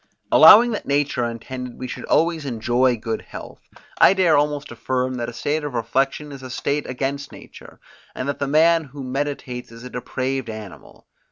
Allowing that nature intended we should always enjoy good health, I dare almost affirm that a state of reflection is a state against nature, and that the man who meditates is a depraved animal.